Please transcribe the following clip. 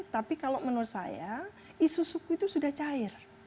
tapi kalau menurut saya isu suku itu sudah cair